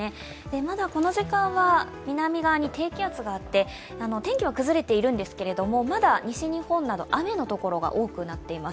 まだこの時間は南側に低気圧があって天気は崩れているんですけど、まだ西日本など雨のところが多くなっています。